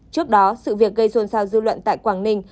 trước đó sự việc gây ruồn sao dư luận tại quảng ninh